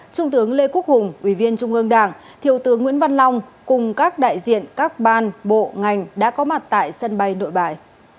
trung tướng lê quốc hùng ủy viên trung ương đảng thiều tướng nguyễn văn long cùng các đại diện các ban bộ ngành đã có mặt tại sân bay nội bài